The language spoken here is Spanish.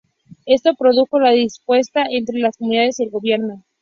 Esto produjo la disputa entre las comunidades y el gobierno.